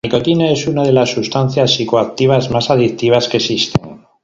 La nicotina es una de las sustancias psicoactivas más adictivas que existen.